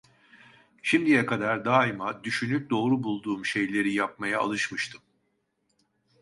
Şimdiye kadar daima, düşünüp doğru bulduğum şeyleri yapmaya alışmıştım…